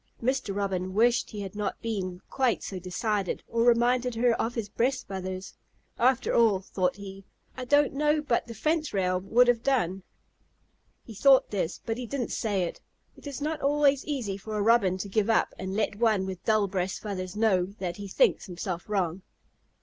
Mr. Robin wished he had not been quite so decided, or reminded her of his breast feathers. "After all," thought he, "I don't know but the fence rail would have done." He thought this, but he didn't say it. It is not always easy for a Robin to give up and let one with dull breast feathers know that he thinks himself wrong.